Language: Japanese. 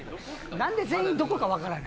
何で全員どこか分からない？